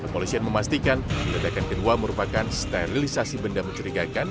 polisian memastikan ledakan kedua merupakan sterilisasi benda mencurigakan